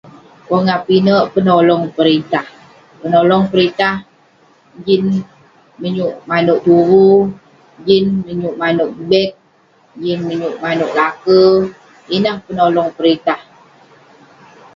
Pongah pinek penolong peritah. Penolong peritah ; jin menyuk manouk tuvu, jin menyuk manouk beg, jin menyuk manouk laker. Ineh penolong peritah.